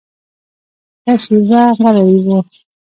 ښه شېبه غلی و.